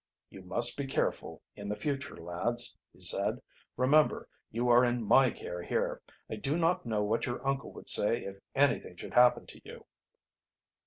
"You must be careful in the future, lads," he said. "Remember, you are in my care here. I do not know what your uncle would say if anything should happen to you."